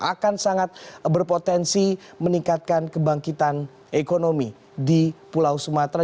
akan sangat berpotensi meningkatkan kebangkitan ekonomi di pulau sumatera